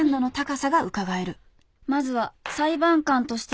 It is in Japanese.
まずは。